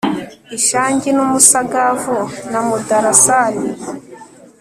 Ishangi numusagavu na mudarasini